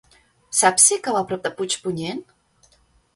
Saps si cau a prop de Puigpunyent?